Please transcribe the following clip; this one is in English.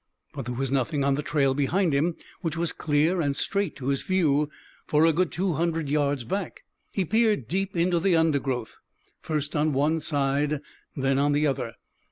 But there was nothing on the trail behind him, which was clear and straight to his view for a good two hundred yards back. He peered deep into the undergrowth, first on one side, then on the other.